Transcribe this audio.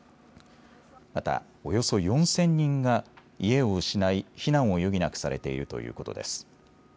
また、およそ４０００人が家を失い避難を余儀なくされているということです。